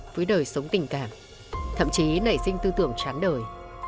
với đời sống tình cảm thậm chí nảy sinh tư tưởng chán đời